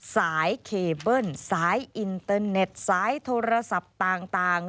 สายเคเบิ้ลสายอินเตอร์เน็ตสายโทรศัพท์ต่าง